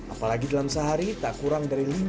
apalagi dalam sehari tak kurang dari